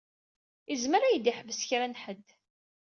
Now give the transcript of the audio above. Izmer ad yi-d-iḥbes kra n ḥedd.